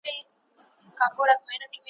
په دې جنګ يې پلار مړ دی ,